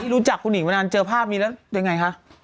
รู้จักคุณหญิงมานานเจอภาพนี้แล้วยังไงคะ